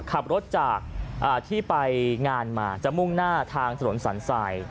ขับรถจากที่ไปงานมาจะมุ่งหน้าทางถนนสันทราย